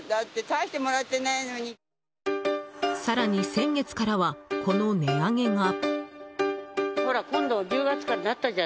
更に先月からはこの値上げが。